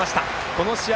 この試合